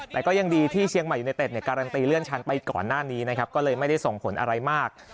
แต่ก็ยังดีที่เชียงใหม่ยูเนเต็ดเนี่ยการันตีเลื่อนชั้นไปก่อนหน้านี้นะครับก็เลยไม่ได้ส่งผลอะไรมาก